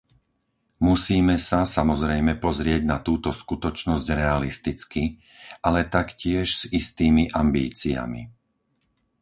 Musíme sa, samozrejme, pozrieť na túto skutočnosť realisticky, ale taktiež s istými ambíciami.